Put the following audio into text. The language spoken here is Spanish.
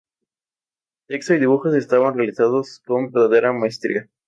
Texto y dibujos estaban realizados con verdadera maestría.